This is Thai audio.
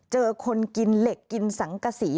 เจอคนกินเหล็กกินสังกษี